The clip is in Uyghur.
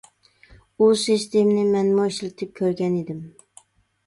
ئۇ سىستېمىنى مەنمۇ ئىشلىتىپ كۆرگەن ئىدىم.